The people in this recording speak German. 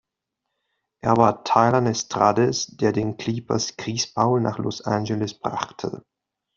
Er war Teil eines Trades, der den Clippers Chris Paul nach Los Angeles brachte.